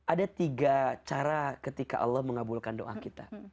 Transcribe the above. ada tiga cara ketika allah mengabulkan doa kita